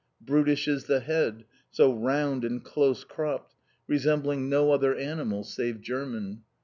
Brutish is the head, so round and close cropped, resembling no other animal save German.